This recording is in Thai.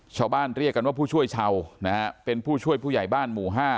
ชาวบ้านเรียกกันว่าผู้ช่วยชาวนะฮะเป็นผู้ช่วยผู้ใหญ่บ้านหมู่๕